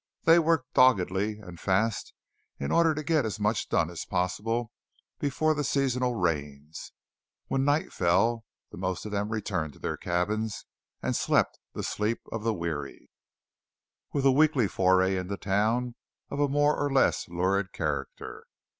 They worked doggedly and fast in order to get as much done as possible before the seasonal rains. When night fell the most of them returned to their cabins and slept the sleep of the weary; with a weekly foray into town of a more or less lurid character.